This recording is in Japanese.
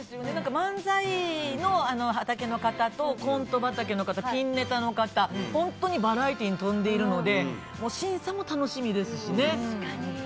漫才の畑の方と、コント畑の方、ピンネタの方、本当にバラエティに富んでいるので、審査も楽しみですしね。